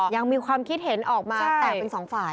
ยังมีความคิดเห็นออกมาแตกเป็นสองฝ่าย